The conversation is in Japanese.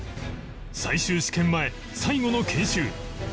最終試験前最後の研修